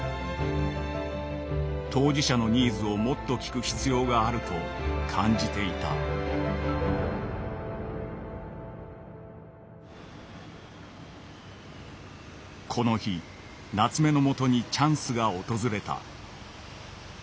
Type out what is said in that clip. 当事者のニーズをもっと聞く必要があると感じていたこの日夏目のもとにチャンスが訪れた。